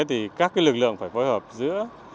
thì các cái lực lượng phải phối hợp giữa